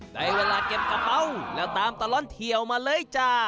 ได้เวลาเก็บกระเป๋าแล้วตามตลอดเที่ยวมาเลยจ้า